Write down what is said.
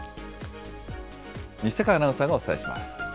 西阪アナウンサーがお伝えします。